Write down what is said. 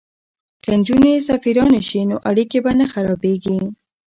که نجونې سفیرانې شي نو اړیکې به نه خرابیږي.